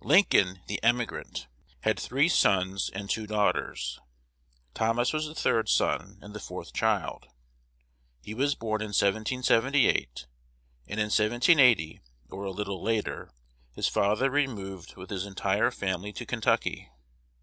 Lincoln, the emigrant, had three sons and two daughters. Thomas was the third son and the fourth child. He was born in 1778; and in 1780, or a little later, his father removed with his entire family to Kentucky.